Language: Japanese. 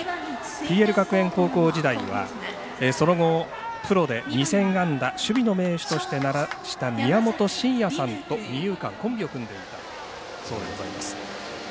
ＰＬ学園高校時代はその後、プロで２０００安打守備の名手、宮本慎也さんと二遊間、コンビを組んでいたそうでございます。